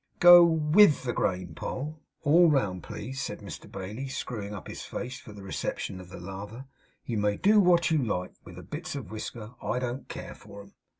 'Go WITH the grain, Poll, all round, please,' said Mr Bailey, screwing up his face for the reception of the lather. 'You may do wot you like with the bits of whisker. I don't care for 'em.